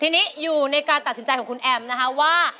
ทีนี้อยู่ในการตัดสินใจของคุณแอมนะคะว่า